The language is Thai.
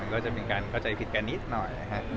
ก็จะเป็นการเข้าใจผิดการาอย่างนี้หน่อย